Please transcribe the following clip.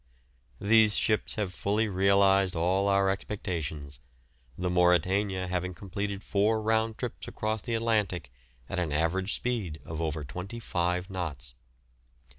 These ships have fully realised all our expectations, the "Mauretania" having completed four round trips across the Atlantic at an average speed of over 25 knots.